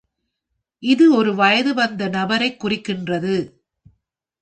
இது ஒரு வயது வந்த நபரைக் குறிக்கின்றது.